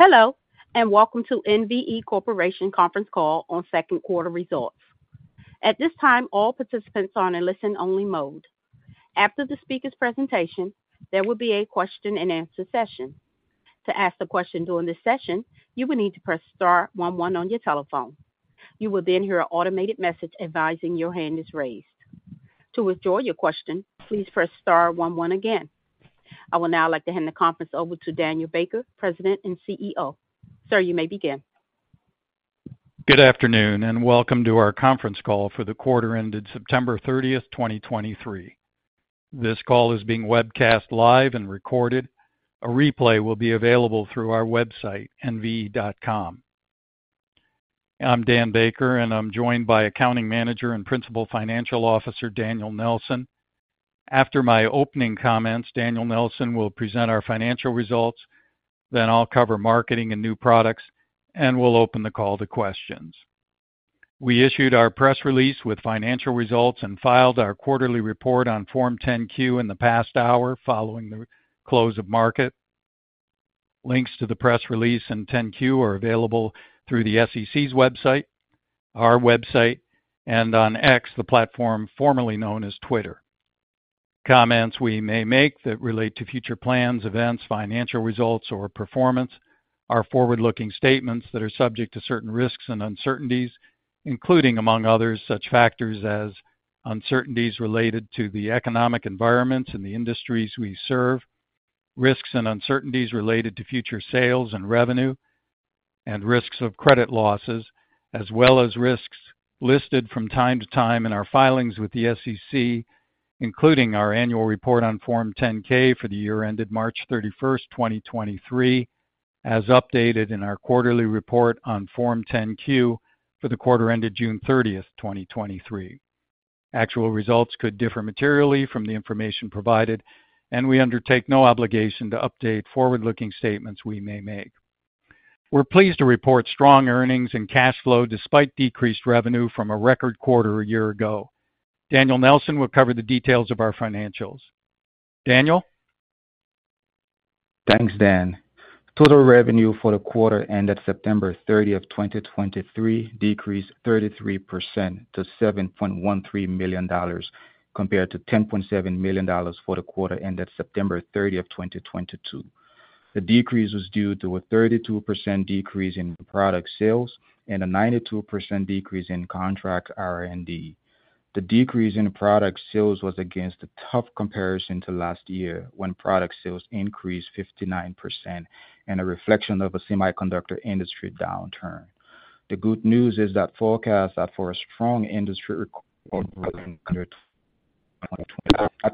Hello, and welcome to NVE Corporation conference call on second quarter results. At this time, all participants are in a listen-only mode. After the speaker's presentation, there will be a question-and-answer session. To ask the question during this session, you will need to press star one one on your telephone. You will then hear an automated message advising your hand is raised. To withdraw your question, please press star one one again. I will now like to hand the conference over to Daniel Baker, President and CEO. Sir, you may begin. Good afternoon, and welcome to our conference call for the quarter ended September 30, 2023. This call is being webcast live and recorded. A replay will be available through our website, nve.com. I'm Dan Baker, and I'm joined by Accounting Manager and Principal Financial Officer, Daniel Nelson. After my opening comments, Daniel Nelson will present our financial results, then I'll cover marketing and new products, and we'll open the call to questions. We issued our press release with financial results and filed our quarterly report on Form 10-Q in the past hour, following the close of market. Links to the press release and 10-Q are available through the SEC's website, our website, and on X, the platform formerly known as Twitter. Comments we may make that relate to future plans, events, financial results, or performance are forward-looking statements that are subject to certain risks and uncertainties, including, among others, such factors as uncertainties related to the economic environments and the industries we serve, risks and uncertainties related to future sales and revenue, and risks of credit losses, as well as risks listed from time to time in our filings with the SEC, including our annual report on Form 10-K for the year ended March 31, 2023, as updated in our quarterly report on Form 10-Q for the quarter ended June 30, 2023. Actual results could differ materially from the information provided, and we undertake no obligation to update forward-looking statements we may make. We're pleased to report strong earnings and cash flow, despite decreased revenue from a record quarter a year ago. Daniel Nelson will cover the details of our financials. Daniel? Thanks, Dan. Total revenue for the quarter ended September 30, 2023, decreased 33% to $7.13 million, compared to $10.7 million for the quarter ended September 30, 2022. The decrease was due to a 32% decrease in product sales and a 92% decrease in contract R&D. The decrease in product sales was against a tough comparison to last year, when product sales increased 59% and a reflection of a semiconductor industry downturn. The good news is that forecasts are for a strong industry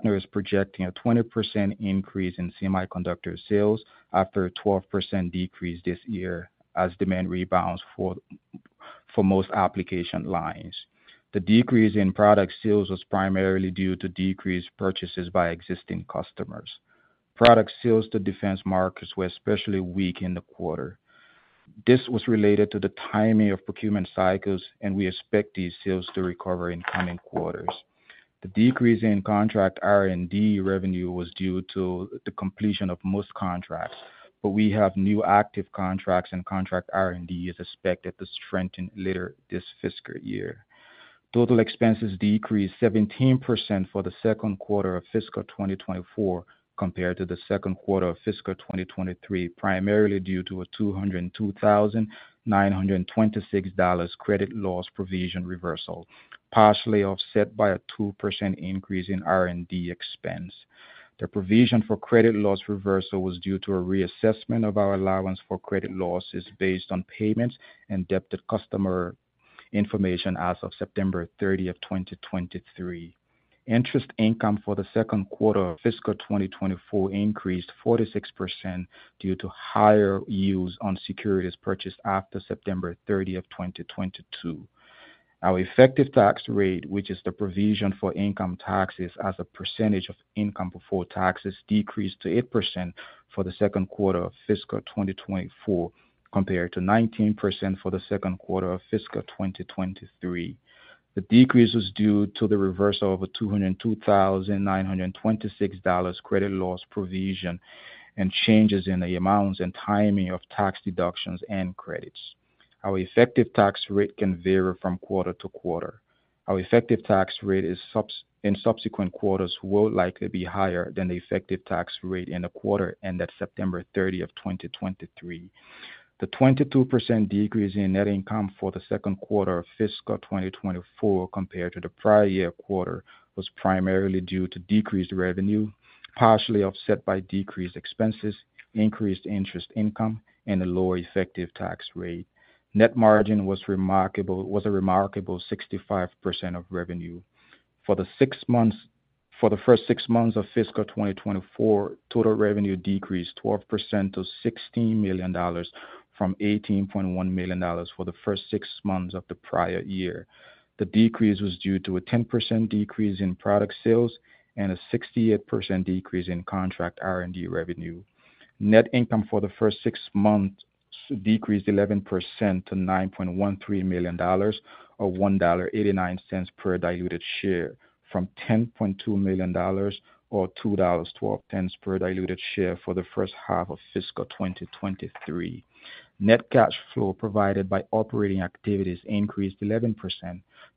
is projecting a 20% increase in semiconductor sales after a 12% decrease this year as demand rebounds for most application lines. The decrease in product sales was primarily due to decreased purchases by existing customers. Product sales to defense markets were especially weak in the quarter. This was related to the timing of procurement cycles, and we expect these sales to recover in coming quarters. The decrease in contract R&D revenue was due to the completion of most contracts, but we have new active contracts, and contract R&D is expected to strengthen later this fiscal year. Total expenses decreased 17% for the second quarter of fiscal 2024, compared to the second quarter of fiscal 2023, primarily due to a $202,926 credit loss provision reversal, partially offset by a 2% increase in R&D expense. The provision for credit loss reversal was due to a reassessment of our allowance for credit losses based on payments and debt to customer information as of September 30, 2023. Interest income for the second quarter of fiscal 2024 increased 46% due to higher yields on securities purchased after September 30, 2022. Our effective tax rate, which is the provision for income taxes as a percentage of income before taxes, decreased to 8% for the second quarter of fiscal 2024, compared to 19% for the second quarter of fiscal 2023. The decrease was due to the reversal of a $202,926 credit loss provision and changes in the amounts and timing of tax deductions and credits. Our effective tax rate can vary from quarter-to-quarter. Our effective tax rate in subsequent quarters will likely be higher than the effective tax rate in the quarter ended September 30, 2023. The 22% decrease in net income for the second quarter of fiscal 2024 compared to the prior year quarter was primarily due to decreased revenue, partially offset by decreased expenses, increased interest income, and a lower effective tax rate. Net margin was remarkable, was a remarkable 65% of revenue. For the first six months of fiscal 2024, total revenue decreased 12% to $16 million from $18.1 million for the first six months of the prior year. The decrease was due to a 10% decrease in product sales and a 68% decrease in contract R&D revenue. Net income for the first six months-... decreased 11% to $9.13 million, or $1.89 per diluted share, from $10.2 million, or $2.12 per diluted share for the first half of fiscal 2023. Net cash flow provided by operating activities increased 11%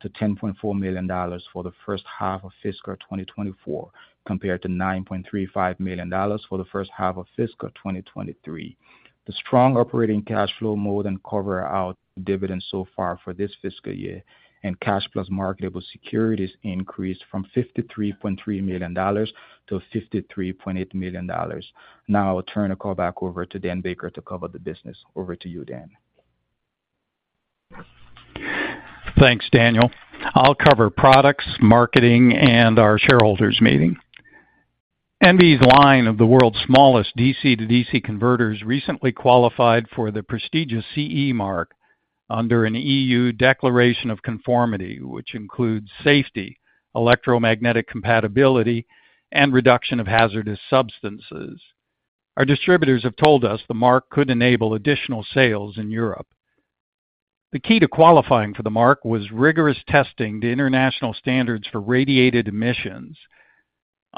to $10.4 million for the first half of fiscal 2024, compared to $9.35 million for the first half of fiscal 2023. The strong operating cash flow more than cover our dividends so far for this fiscal year, and cash plus marketable securities increased from $53.3 million to $53.8 million. Now I'll turn the call back over to Dan Baker to cover the business. Over to you, Dan. Thanks, Daniel. I'll cover products, marketing, and our shareholders meeting. NVE's line of the world's smallest DC-to-DC converters recently qualified for the prestigious CE mark under an EU declaration of conformity, which includes safety, electromagnetic compatibility, and reduction of hazardous substances. Our distributors have told us the mark could enable additional sales in Europe. The key to qualifying for the mark was rigorous testing to international standards for radiated emissions.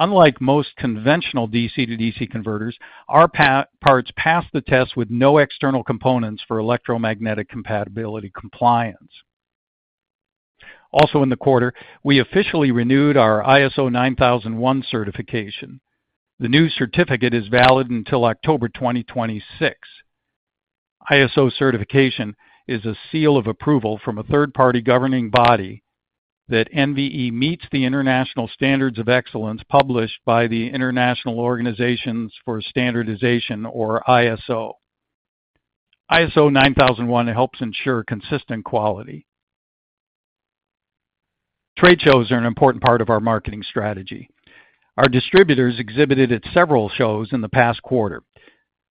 Unlike most conventional DC-to-DC converters, our parts passed the test with no external components for electromagnetic compatibility compliance. Also in the quarter, we officially renewed our ISO 9001 certification. The new certificate is valid until October 2026. ISO certification is a seal of approval from a third-party governing body that NVE meets the international standards of excellence published by the International Organization for Standardization, or ISO. ISO 9001 helps ensure consistent quality. Trade shows are an important part of our marketing strategy. Our distributors exhibited at several shows in the past quarter.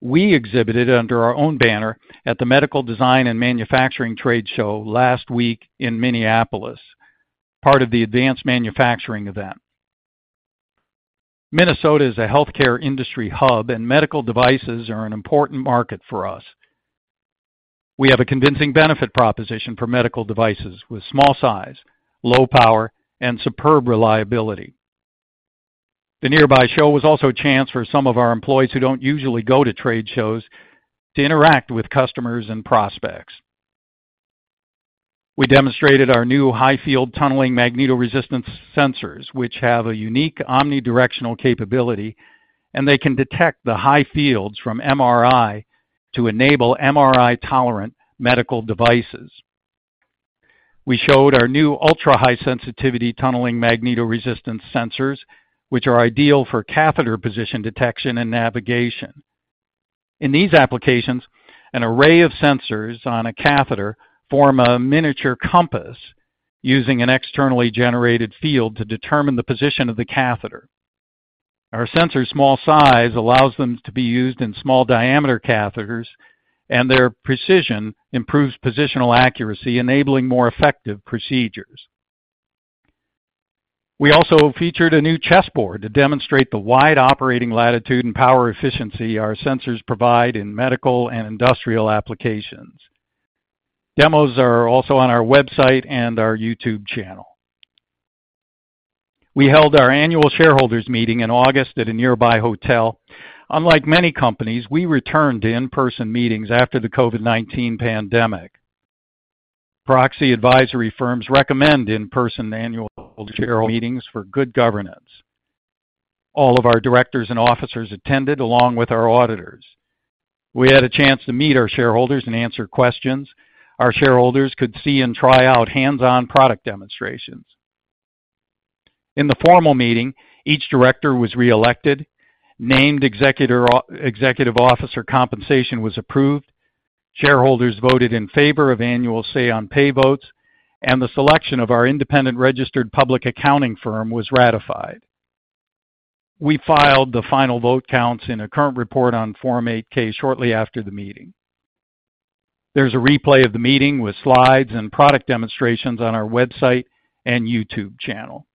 We exhibited under our own banner at the Medical Design and Manufacturing trade show last week in Minneapolis, part of the advanced manufacturing event. Minnesota is a healthcare industry hub, and medical devices are an important market for us. We have a convincing benefit proposition for medical devices with small size, low power, and superb reliability. The nearby show was also a chance for some of our employees who don't usually go to trade shows to interact with customers and prospects. We demonstrated our new high-field tunneling magnetoresistance sensors, which have a unique omnidirectional capability, and they can detect the high fields from MRI to enable MRI-tolerant medical devices. We showed our new ultra-high sensitivity tunneling magnetoresistance sensors, which are ideal for catheter position detection and navigation. In these applications, an array of sensors on a catheter form a miniature compass, using an externally generated field to determine the position of the catheter. Our sensors' small size allows them to be used in small diameter catheters, and their precision improves positional accuracy, enabling more effective procedures. We also featured a new chessboard to demonstrate the wide operating latitude and power efficiency our sensors provide in medical and industrial applications. Demos are also on our website and our YouTube channel. We held our annual shareholders meeting in August at a nearby hotel. Unlike many companies, we returned to in-person meetings after the COVID-19 pandemic. Proxy advisory firms recommend in-person annual shareholder meetings for good governance. All of our directors and officers attended, along with our auditors. We had a chance to meet our shareholders and answer questions. Our shareholders could see and try out hands-on product demonstrations. In the formal meeting, each director was reelected, executive officer compensation was approved, shareholders voted in favor of annual Say-on-Pay votes, and the selection of our independent registered public accounting firm was ratified. We filed the final vote counts in a current report on Form 8-K shortly after the meeting. There's a replay of the meeting with slides and product demonstrations on our website and YouTube channel.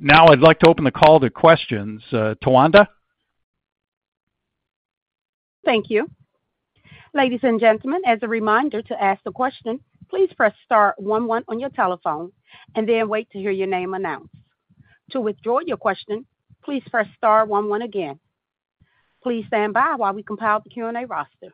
Now, I'd like to open the call to questions. Tawanda? Thank you. Ladies and gentlemen, as a reminder to ask the question, please press star one, one on your telephone and then wait to hear your name announced. To withdraw your question, please press star one, one again. Please stand by while we compile the Q&A roster.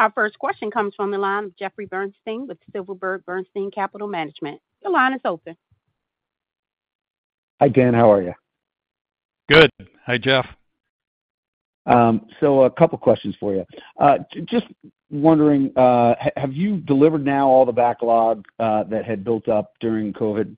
Our first question comes from the line of Jeffrey Bernstein with Silverberg Bernstein Capital Management. Your line is open. Hi, Dan. How are you? Good. Hi, Jeff. So, a couple questions for you. Just wondering, have you delivered now all the backlog that had built up during COVID?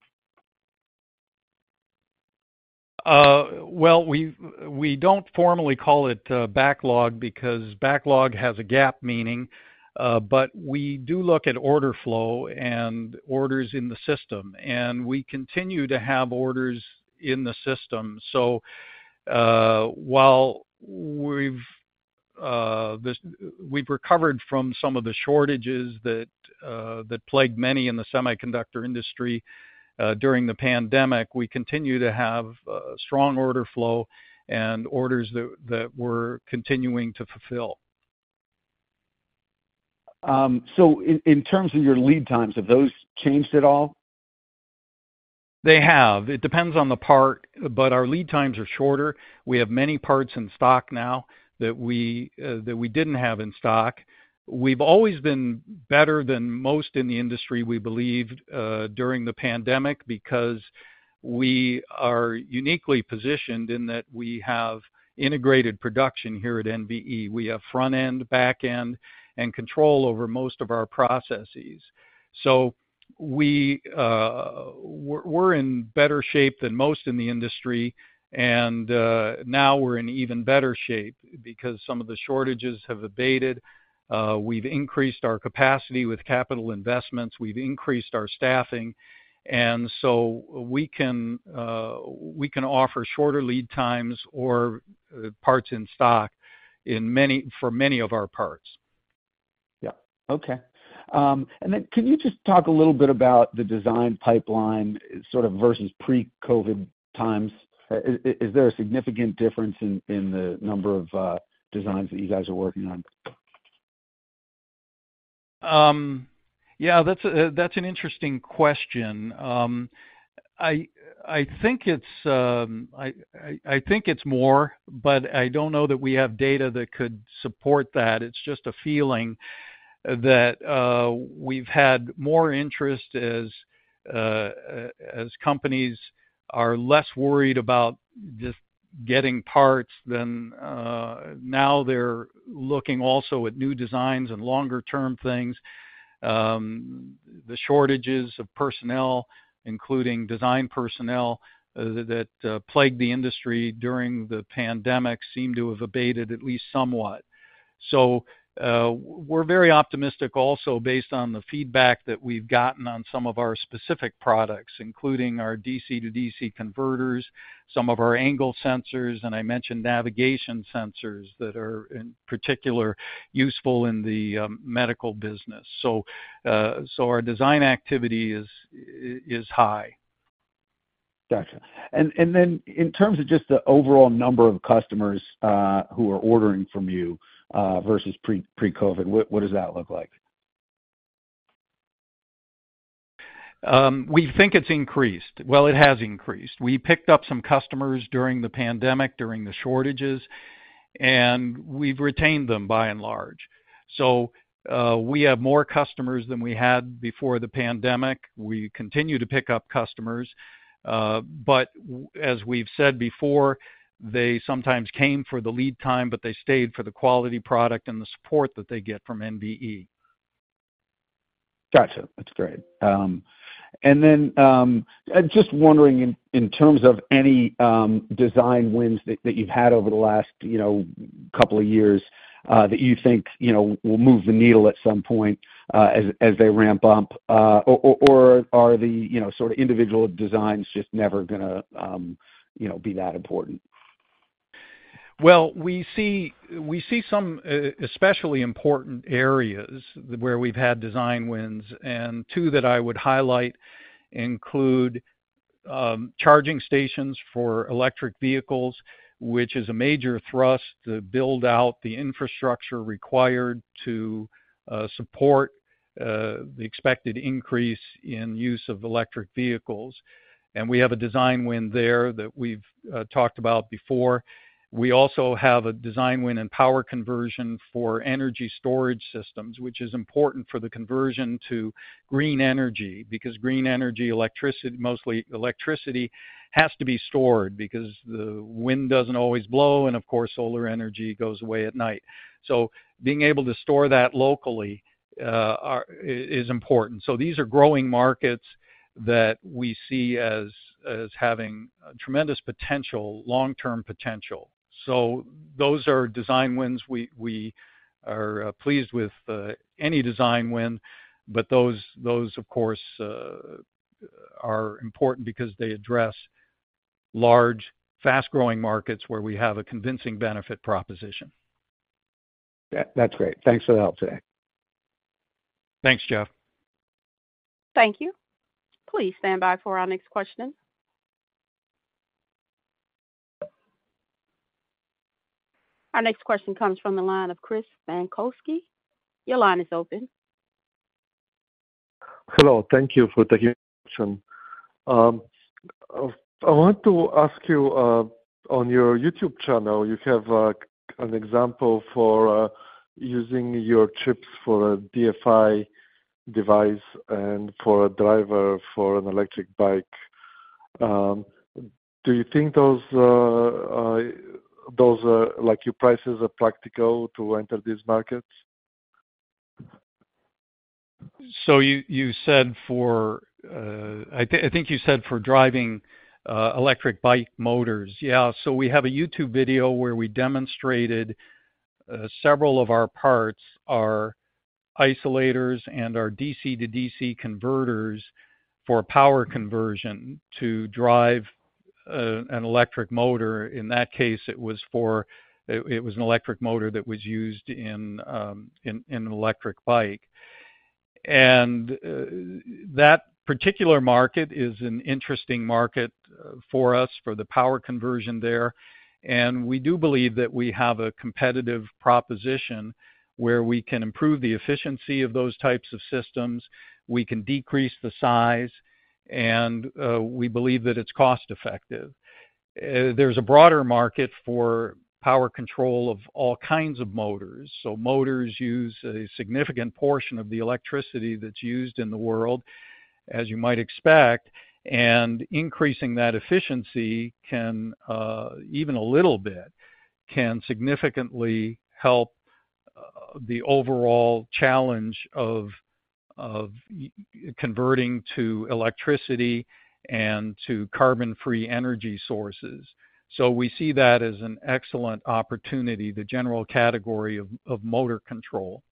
Well, we've, we don't formally call it backlog because backlog has a GAAP meaning. But we do look at order flow and orders in the system, and we continue to have orders in the system. So, while we've recovered from some of the shortages that that plagued many in the semiconductor industry during the pandemic, we continue to have strong order flow and orders that that we're continuing to fulfill. So in terms of your lead times, have those changed at all? They have. It depends on the part, but our lead times are shorter. We have many parts in stock now that we, that we didn't have in stock. We've always been better than most in the industry, we believed, during the pandemic, because we are uniquely positioned in that we have integrated production here at NVE. We have front end, back end, and control over most of our processes. So we, we're, we're in better shape than most in the industry, and, now we're in even better shape because some of the shortages have abated. We've increased our capacity with capital investments. We've increased our staffing, and so we can, we can offer shorter lead times or, parts in stock in many - for many of our parts. Yeah. Okay. And then can you just talk a little bit about the design pipeline, sort of, versus pre-COVID times? Is there a significant difference in the number of designs that you guys are working on? Yeah, that's a, that's an interesting question. I think it's more, but I don't know that we have data that could support that. It's just a feeling that we've had more interest as companies are less worried about just getting parts than now they're looking also at new designs and longer term things. The shortages of personnel, including design personnel, that plagued the industry during the pandemic, seem to have abated at least somewhat. So, we're very optimistic also based on the feedback that we've gotten on some of our specific products, including our DC-to-DC converters, some of our angle sensors, and I mentioned navigation sensors that are, in particular, useful in the medical business. So, our design activity is high. Gotcha. And then in terms of just the overall number of customers who are ordering from you versus pre-COVID, what does that look like? Well, it has increased. We picked up some customers during the pandemic, during the shortages, and we've retained them by and large. So, we have more customers than we had before the pandemic. We continue to pick up customers, but as we've said before, they sometimes came for the lead time, but they stayed for the quality product and the support that they get from NVE. Gotcha. That's great. And then, just wondering in terms of any design wins that you've had over the last, you know, couple of years, that you think, you know, will move the needle at some point, or are the, you know, sort of individual designs just never gonna, you know, be that important? Well, we see, we see some especially important areas where we've had design wins, and two that I would highlight include charging stations for electric vehicles, which is a major thrust to build out the infrastructure required to support the expected increase in use of electric vehicles. And we have a design win there that we've talked about before. We also have a design win in power conversion for energy storage systems, which is important for the conversion to green energy, because green energy, electricity, mostly electricity, has to be stored because the wind doesn't always blow, and of course, solar energy goes away at night. So being able to store that locally, are, is important. So these are growing markets that we see as, as having tremendous potential, long-term potential. So those are design wins. We are pleased with any design win, but those of course are important because they address large, fast-growing markets where we have a convincing benefit proposition. Yeah, that's great. Thanks for the help today. Thanks, Jeff. Thank you. Please stand by for our next question. Our next question comes from the line of Chris Benkovsky. Your line is open. Hello, thank you for taking my question. I want to ask you on your YouTube channel, you have an example for using your chips for a GFI device and for a driver for an electric bike. Do you think those, like, your prices are practical to enter these markets?... So you said for driving electric bike motors. Yeah, so we have a YouTube video where we demonstrated several of our parts, our isolators and our DC-to-DC converters for power conversion to drive an electric motor. In that case, it was an electric motor that was used in an electric bike. And that particular market is an interesting market for us, for the power conversion there. And we do believe that we have a competitive proposition where we can improve the efficiency of those types of systems, we can decrease the size, and we believe that it's cost-effective. There's a broader market for power control of all kinds of motors. So motors use a significant portion of the electricity that's used in the world, as you might expect, and increasing that efficiency can, even a little bit, can significantly help the overall challenge of converting to electricity and to carbon-free energy sources. So we see that as an excellent opportunity, the general category of motor control.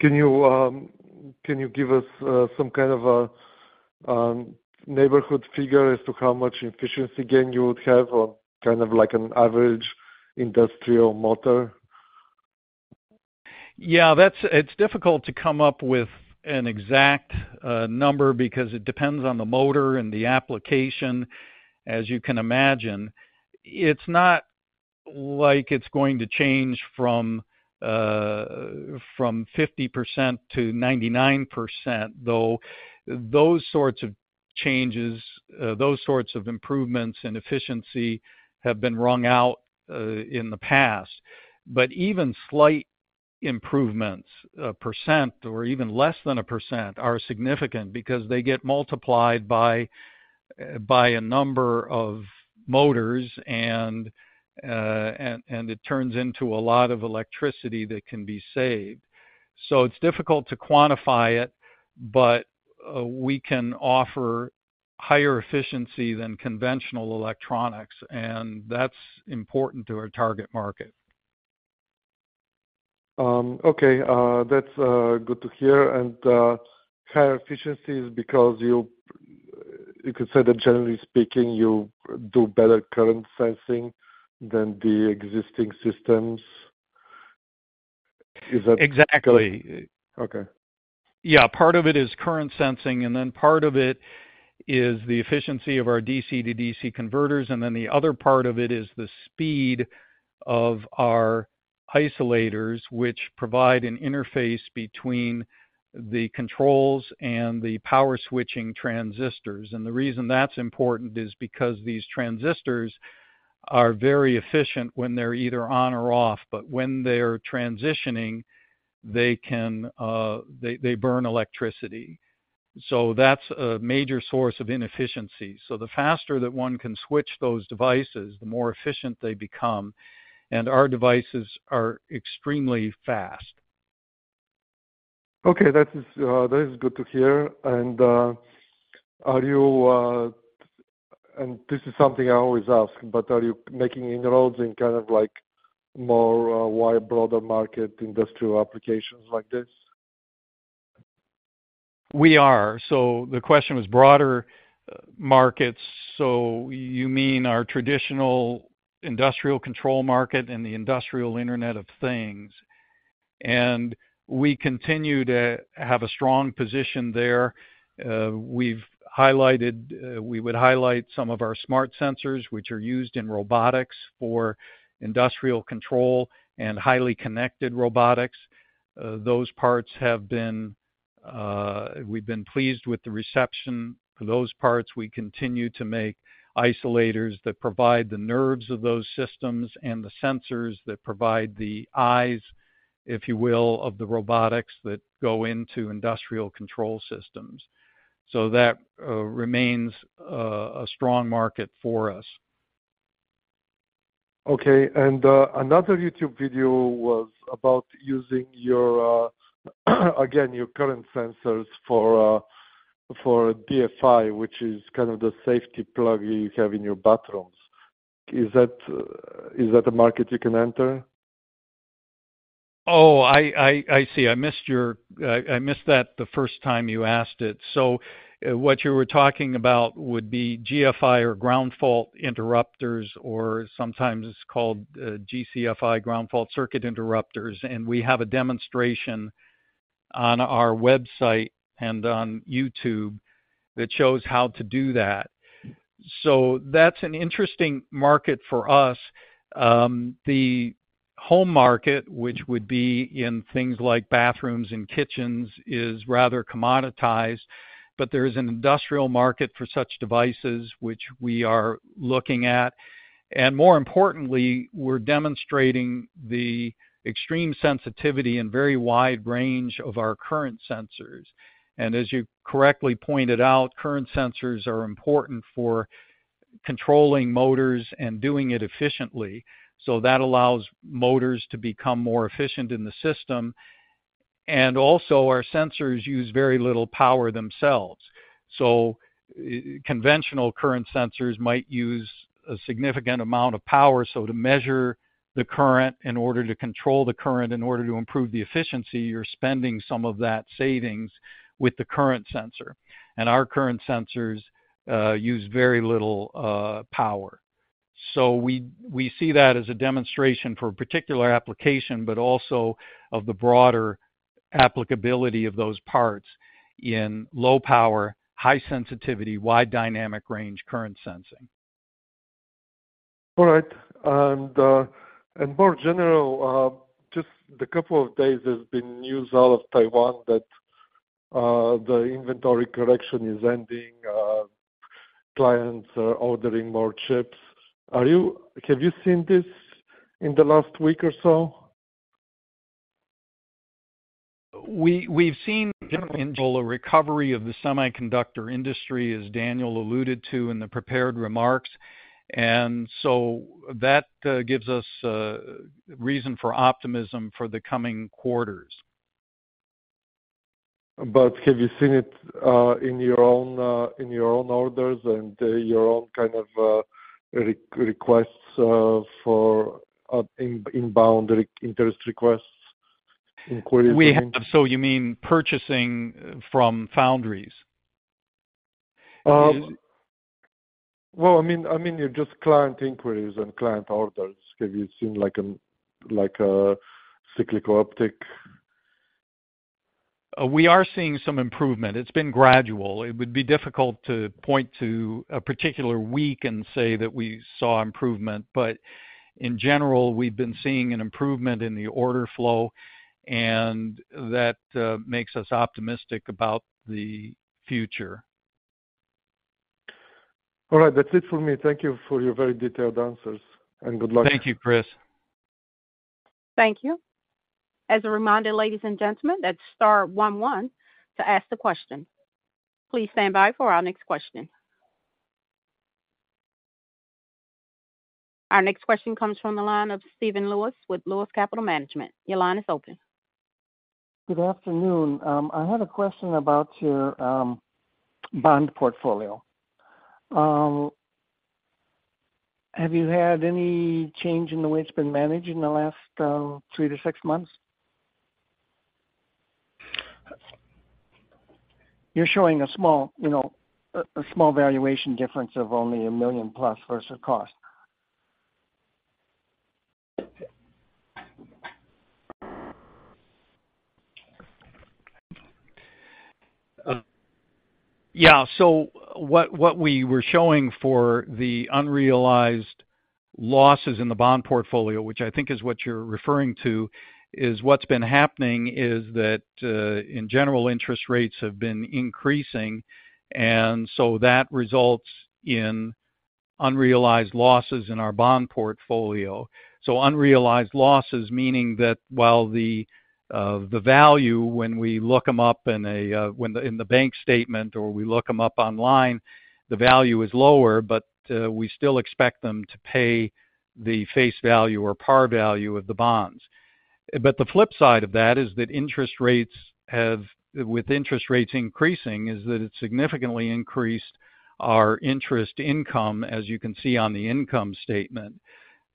Can you give us some kind of a neighborhood figure as to how much efficiency gain you would have on kind of like an average industrial motor? Yeah, that's it. It's difficult to come up with an exact number because it depends on the motor and the application, as you can imagine. It's not like it's going to change from 50% to 99%, though. Those sorts of changes, those sorts of improvements in efficiency have been wrung out in the past. But even slight improvements, 1% or even less than 1%, are significant because they get multiplied by a number of motors, and it turns into a lot of electricity that can be saved. So it's difficult to quantify it, but we can offer higher efficiency than conventional electronics, and that's important to our target market. Okay, that's good to hear. And higher efficiency is because you could say that generally speaking, you do better current sensing than the existing systems. Is that- Exactly. Okay. Yeah. Part of it is current sensing, and then part of it is the efficiency of our DC-to-DC converters, and then the other part of it is the speed of our isolators, which provide an interface between the controls and the power switching transistors. The reason that's important is because these transistors are very efficient when they're either on or off, but when they're transitioning, they can burn electricity. That's a major source of inefficiency. The faster that one can switch those devices, the more efficient they become, and our devices are extremely fast. Okay, that is good to hear. And, are you... And this is something I always ask, but are you making inroads in kind of like more, wide, broader market, industrial applications like this? We are. So the question was broader markets, so you mean our traditional industrial control market and the Industrial Internet of Things. And we continue to have a strong position there. We've highlighted, we would highlight some of our smart sensors, which are used in robotics for industrial control and highly connected robotics. Those parts have been, we've been pleased with the reception for those parts. We continue to make isolators that provide the nerves of those systems and the sensors that provide the eyes, if you will, of the robotics that go into industrial control systems. So that remains a strong market for us. Okay, and another YouTube video was about using your, again, your current sensors for GFCI, which is kind of the safety plug you have in your bathrooms. Is that a market you can enter? Oh, I see. I missed that the first time you asked it. So, what you were talking about would be GFCI or ground fault interrupters, or sometimes it's called GFCI, ground fault circuit interrupters, and we have a demonstration on our website and on YouTube that shows how to do that. So that's an interesting market for us. The home market, which would be in things like bathrooms and kitchens, is rather commoditized, but there is an industrial market for such devices, which we are looking at. And more importantly, we're demonstrating the extreme sensitivity and very wide range of our current sensors. And as you correctly pointed out, current sensors are important for controlling motors and doing it efficiently, so that allows motors to become more efficient in the system. And also, our sensors use very little power themselves. So conventional current sensors might use a significant amount of power. So to measure the current, in order to control the current, in order to improve the efficiency, you're spending some of that savings with the current sensor. And our current sensors use very little power. So we see that as a demonstration for a particular application, but also of the broader applicability of those parts in low power, high sensitivity, wide dynamic range, current sensing. All right. And more general, just the couple of days, there's been news out of Taiwan that the inventory correction is ending, clients are ordering more chips. Have you seen this in the last week or so? We've seen, in general, a recovery of the semiconductor industry, as Daniel alluded to in the prepared remarks, and so that gives us reason for optimism for the coming quarters. Have you seen it in your own orders and your own kind of requests for inbound interest requests, inquiries? We have. So you mean purchasing from foundries? Well, I mean, just client inquiries and client orders. Have you seen like a cyclical uptick? We are seeing some improvement. It's been gradual. It would be difficult to point to a particular week and say that we saw improvement, but in general, we've been seeing an improvement in the order flow, and that makes us optimistic about the future. All right. That's it for me. Thank you for your very detailed answers, and good luck. Thank you, Chris. Thank you. As a reminder, ladies and gentlemen, that's star one one to ask the question. Please stand by for our next question. Our next question comes from the line of Steven Lewis, with Lewis Capital Management. Your line is open. Good afternoon. I have a question about your bond portfolio. Have you had any change in the way it's been managed in the last three to six months? You're showing a small, you know, a small valuation difference of only $1 million plus versus cost. Yeah. So what we were showing for the unrealized losses in the bond portfolio, which I think is what you're referring to, is what's been happening is that, in general, interest rates have been increasing, and so that results in unrealized losses in our bond portfolio. So unrealized losses, meaning that while the value, when we look them up in a, when in the bank statement or we look them up online, the value is lower, but we still expect them to pay the face value or par value of the bonds. But the flip side of that is that interest rates have—with interest rates increasing—is that it's significantly increased our interest income, as you can see on the income statement.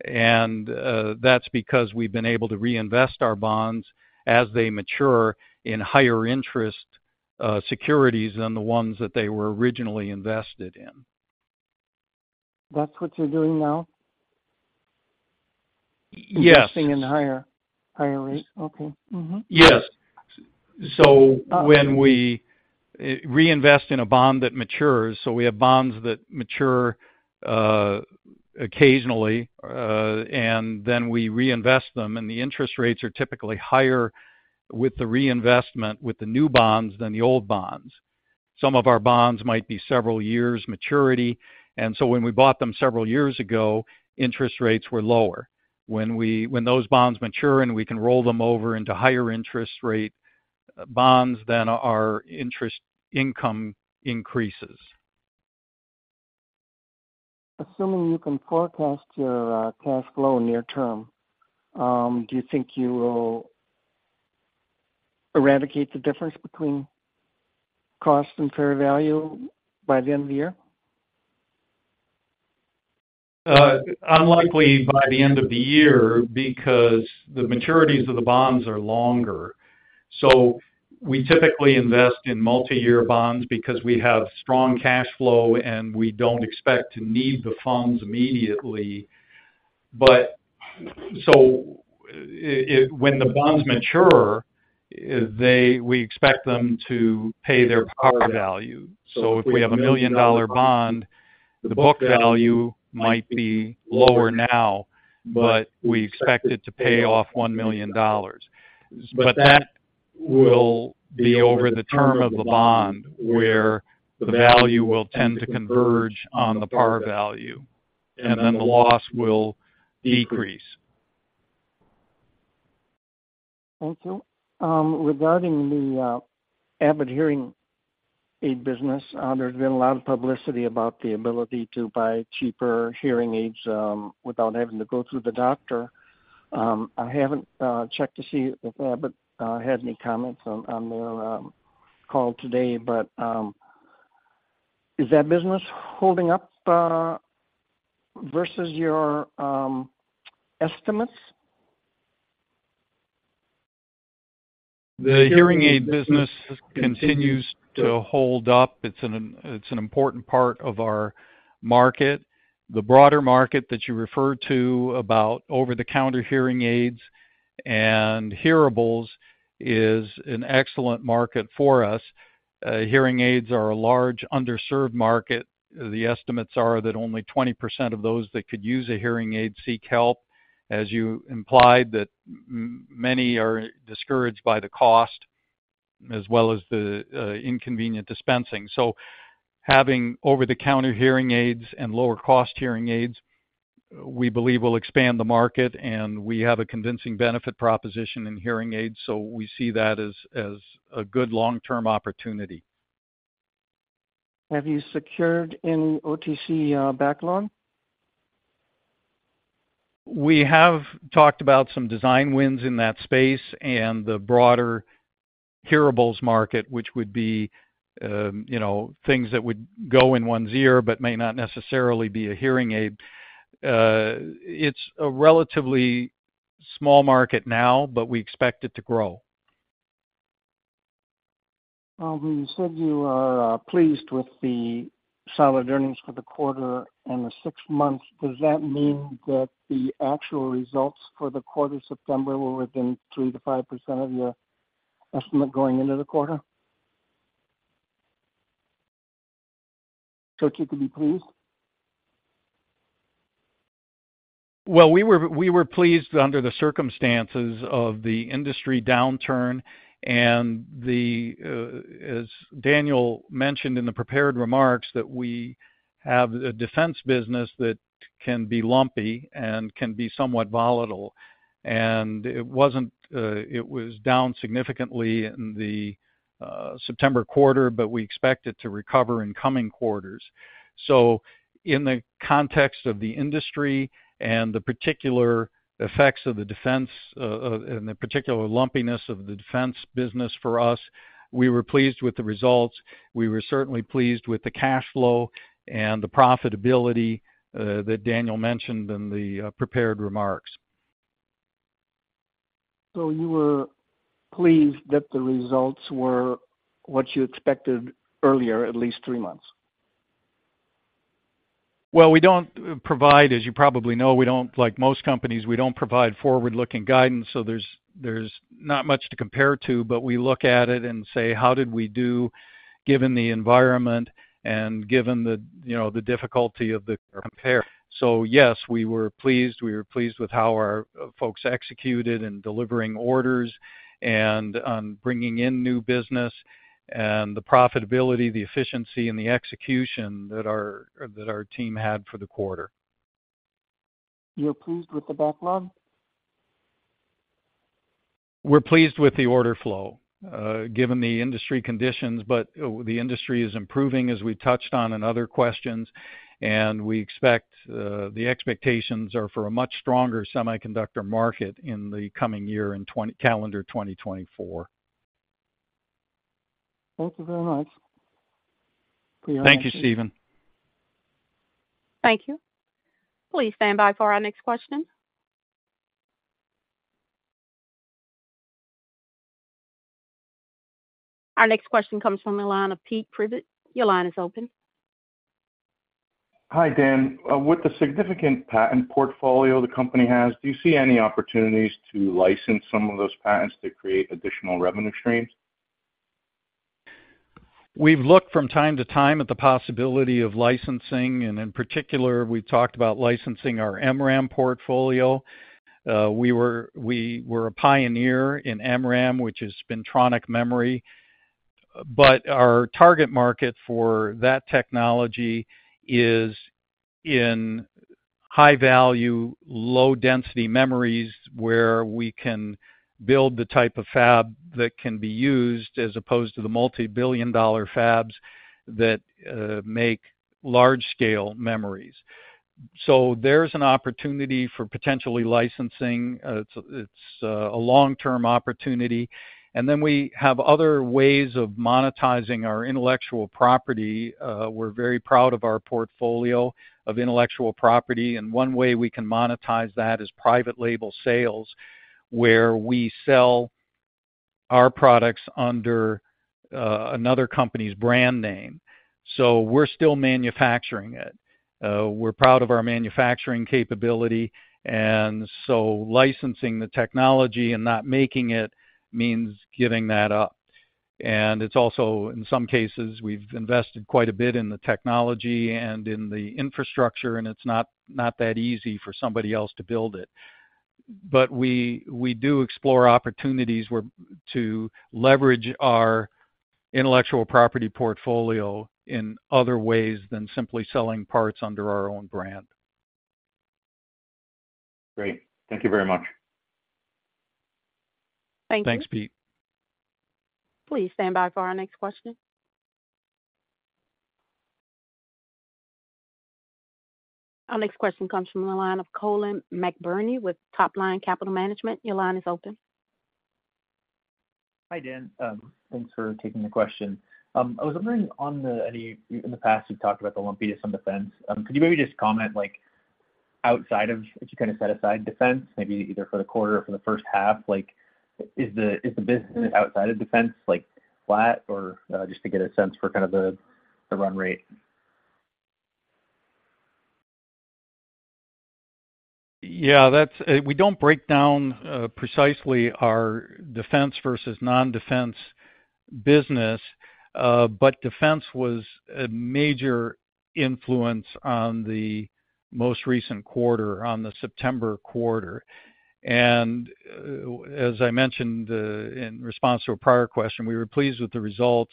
That's because we've been able to reinvest our bonds as they mature in higher interest securities than the ones that they were originally invested in. That's what you're doing now? Yes. Investing in higher, higher rates. Okay. Mm-hmm. Yes. So when we reinvest in a bond that matures, so we have bonds that mature occasionally, and then we reinvest them, and the interest rates are typically higher with the reinvestment, with the new bonds than the old bonds. Some of our bonds might be several years maturity, and so when we bought them several years ago, interest rates were lower. When those bonds mature, and we can roll them over into higher interest rate bonds, then our interest income increases. Assuming you can forecast your cash flow near term, do you think you will eradicate the difference between cost and fair value by the end of the year? Unlikely by the end of the year, because the maturities of the bonds are longer. So we typically invest in multi-year bonds because we have strong cash flow, and we don't expect to need the funds immediately. But when the bonds mature, they—we expect them to pay their par value. So if we have a $1 million-dollar bond, the book value might be lower now, but we expect it to pay off $1 million. But that will be over the term of the bond, where the value will tend to converge on the par value, and then the loss will decrease.... Thank you. Regarding the Abbott hearing aid business, there's been a lot of publicity about the ability to buy cheaper hearing aids without having to go through the doctor. I haven't checked to see if Abbott had any comments on their call today, but is that business holding up versus your estimates? The hearing aid business continues to hold up. It's an important part of our market. The broader market that you referred to about over-the-counter hearing aids and hearables is an excellent market for us. Hearing aids are a large, underserved market. The estimates are that only 20% of those that could use a hearing aid seek help, as you implied, that many are discouraged by the cost as well as the inconvenient dispensing. So having over-the-counter hearing aids and lower-cost hearing aids, we believe, will expand the market, and we have a convincing benefit proposition in hearing aids, so we see that as a good long-term opportunity. Have you secured any OTC backlog? We have talked about some design wins in that space and the broader hearables market, which would be, you know, things that would go in one's ear but may not necessarily be a hearing aid. It's a relatively small market now, but we expect it to grow. Well, when you said you are pleased with the solid earnings for the quarter and the six months, does that mean that the actual results for the quarter September were within 3%-5% of your estimate going into the quarter? So you could be pleased? Well, we were pleased under the circumstances of the industry downturn and the, as Daniel mentioned in the prepared remarks, that we have a defense business that can be lumpy and can be somewhat volatile. It was down significantly in the September quarter, but we expect it to recover in coming quarters. So in the context of the industry and the particular effects of the defense, and the particular lumpiness of the defense business for us, we were pleased with the results. We were certainly pleased with the cash flow and the profitability that Daniel mentioned in the prepared remarks. You were pleased that the results were what you expected earlier, at least three months? Well, as you probably know, like most companies, we don't provide forward-looking guidance, so there's not much to compare to, but we look at it and say: How did we do, given the environment and given the, you know, the difficulty of the compare? So, yes, we were pleased. We were pleased with how our folks executed in delivering orders and on bringing in new business and the profitability, the efficiency, and the execution that our team had for the quarter. You're pleased with the backlog? We're pleased with the order flow, given the industry conditions. But, the industry is improving, as we touched on in other questions, and we expect, the expectations are for a much stronger semiconductor market in the coming year, in 2024. Thank you very much. Thank you, Steven. Thank you. Please stand by for our next question. Our next question comes from the line of Pete Privett. Your line is open. Hi, Dan. With the significant patent portfolio the company has, do you see any opportunities to license some of those patents to create additional revenue streams? We've looked from time to time at the possibility of licensing, and in particular, we've talked about licensing our MRAM portfolio. We were a pioneer in MRAM, which is spintronic memory. But our target market for that technology is in high-value, low-density memories, where we can build the type of fab that can be used, as opposed to the multi-billion dollar fabs that make large-scale memories. So there's an opportunity for potentially licensing. It's a long-term opportunity. And then we have other ways of monetizing our intellectual property. We're very proud of our portfolio of intellectual property, and one way we can monetize that is private label sales, where we sell our products under another company's brand name. So we're still manufacturing it. We're proud of our manufacturing capability, and so licensing the technology and not making it means giving that up. And it's also, in some cases, we've invested quite a bit in the technology and in the infrastructure, and it's not that easy for somebody else to build it. But we do explore opportunities where... to leverage our intellectual property portfolio in other ways than simply selling parts under our own brand. Great. Thank you very much. Thank you. Thanks, Pete. Please stand by for our next question. Our next question comes from the line of Collin McBirney with Topline Capital Management. Your line is open. Hi, Dan. Thanks for taking the question. I was wondering on the—in the past, you've talked about the lumpiness on defense. Could you maybe just comment, like, outside of, if you kind of set aside defense, maybe either for the quarter or for the first half, like, is the, is the business outside of defense, like, flat? Or just to get a sense for kind of the, the run rate. Yeah, that's... We don't break down precisely our defense versus non-defense business, but defense was a major influence on the most recent quarter, on the September quarter. As I mentioned, in response to a prior question, we were pleased with the results,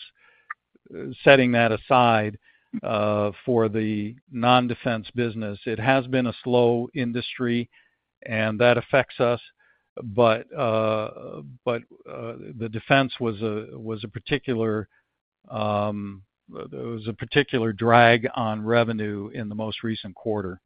setting that aside, for the non-defense business. It has been a slow industry, and that affects us, but the defense was a particular drag on revenue in the most recent quarter.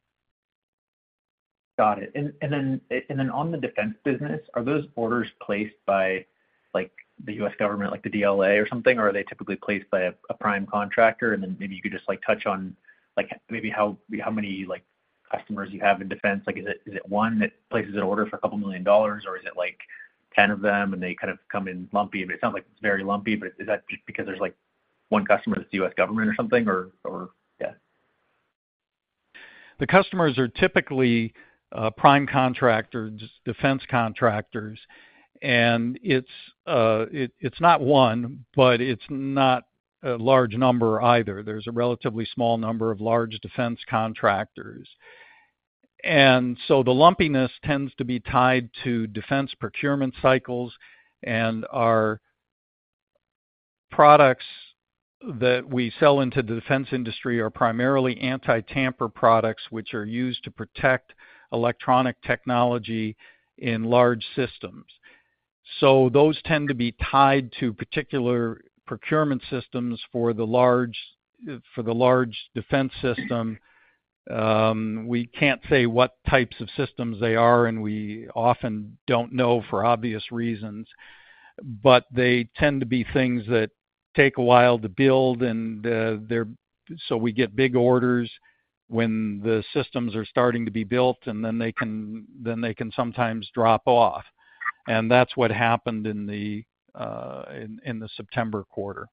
Got it. And then on the defense business, are those orders placed by, like, the U.S. government, like the DLA or something, or are they typically placed by a prime contractor? And then maybe you could just, like, touch on, like, maybe how many, like, customers you have in defense. Like, is it one that places an order for $2 million, or is it, like, 10 of them, and they kind of come in lumpy? It sounds like it's very lumpy, but is that just because there's, like, one customer that's the U.S. government or something, or yeah? The customers are typically prime contractors, defense contractors, and it's not one, but it's not a large number either. There's a relatively small number of large defense contractors. And so the lumpiness tends to be tied to defense procurement cycles, and our products that we sell into the defense industry are primarily anti-tamper products, which are used to protect electronic technology in large systems. So those tend to be tied to particular procurement systems for the large defense system. We can't say what types of systems they are, and we often don't know for obvious reasons, but they tend to be things that take a while to build, and they're... So we get big orders when the systems are starting to be built, and then they can sometimes drop off. That's what happened in the September quarter.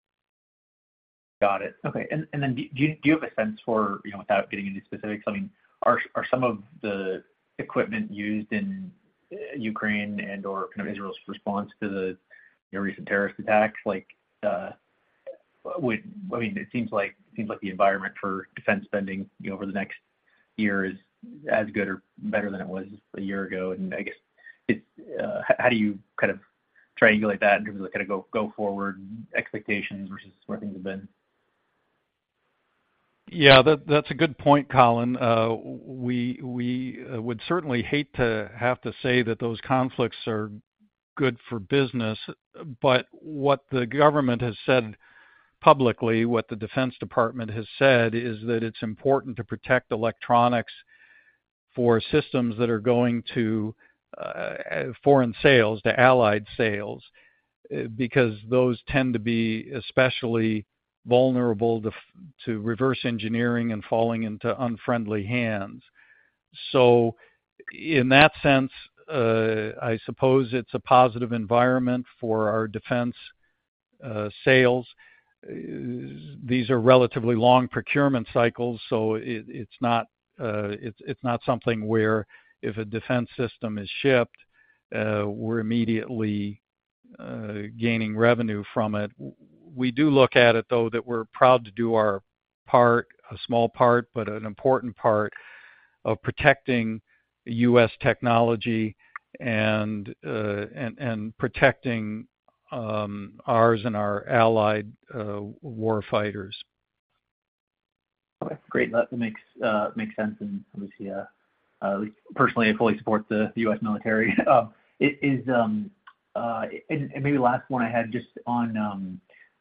Got it. Okay. And then do you have a sense for, you know, without getting into specifics, I mean, are some of the equipment used in Ukraine and/or kind of Israel's response to the recent terrorist attacks, like, I mean, it seems like the environment for defense spending, you know, over the next year is as good or better than it was a year ago, and I guess, it's how do you kind of triangulate that in terms of kind of go forward expectations versus where things have been? Yeah, that's a good point, Collin. We would certainly hate to have to say that those conflicts are good for business, but what the government has said publicly, what the Defense Department has said, is that it's important to protect electronics for systems that are going to foreign sales, to allied sales, because those tend to be especially vulnerable to reverse engineering and falling into unfriendly hands. So in that sense, I suppose it's a positive environment for our defense sales. These are relatively long procurement cycles, so it's not something where if a defense system is shipped, we're immediately gaining revenue from it. We do look at it, though, that we're proud to do our part, a small part, but an important part of protecting U.S. technology and protecting ours and our allied war fighters. Okay, great. That makes sense, and obviously, personally, I fully support the US military. And maybe last one I had just on...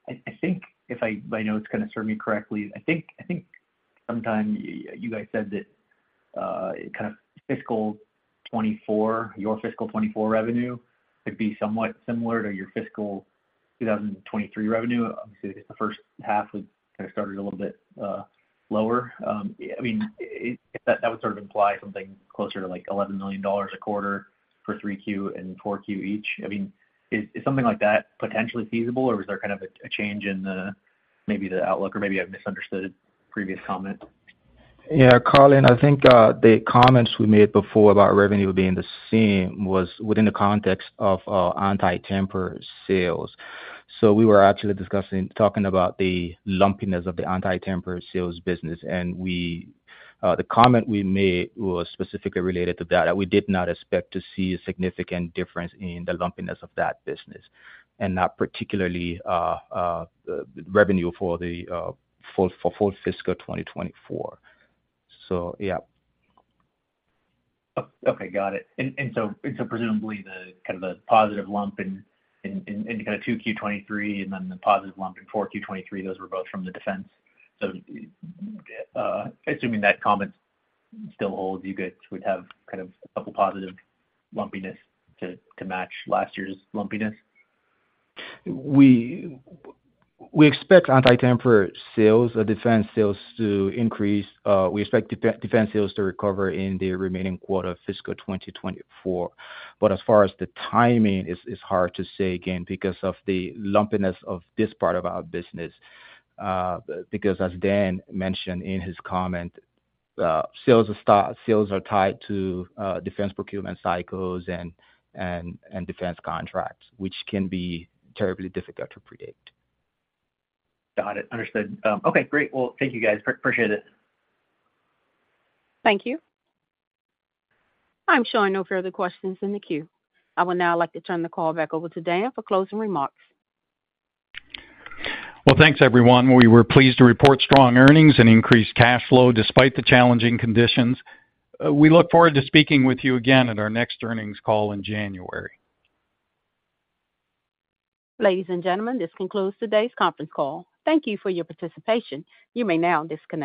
I think if my notes kind of serve me correctly, I think sometime you guys said that kind of fiscal 2024, your fiscal 2024 revenue could be somewhat similar to your fiscal 2023 revenue. Obviously, the first half was kind of started a little bit lower. I mean, that would sort of imply something closer to, like, $11 million a quarter for 3Q and 4Q each. I mean, is something like that potentially feasible, or was there kind of a change in the maybe the outlook, or maybe I've misunderstood previous comment? Yeah, Collin, I think the comments we made before about revenue being the same was within the context of anti-tamper sales. So we were actually discussing, talking about the lumpiness of the anti-tamper sales business, and the comment we made was specifically related to that, that we did not expect to see a significant difference in the lumpiness of that business, and not particularly revenue for the full fiscal 2024. So yeah. Oh, okay, got it. And so presumably, the kind of positive lump in 2Q 2023, and then the positive lump in 4Q 2023, those were both from the defense. So, assuming that comment still holds, you guys would have kind of a couple positive lumpiness to match last year's lumpiness? We expect anti-tamper sales or defense sales to increase. We expect defense sales to recover in the remaining quarter of fiscal 2024. But as far as the timing, it's hard to say again, because of the lumpiness of this part of our business. Because as Dan mentioned in his comment, sales are tied to defense procurement cycles and defense contracts, which can be terribly difficult to predict. Got it. Understood. Okay, great. Well, thank you, guys. Appreciate it. Thank you. I'm showing no further questions in the queue. I would now like to turn the call back over to Dan for closing remarks. Well, thanks, everyone. We were pleased to report strong earnings and increased cash flow despite the challenging conditions. We look forward to speaking with you again at our next earnings call in January. Ladies and gentlemen, this concludes today's conference call. Thank you for your participation. You may now disconnect.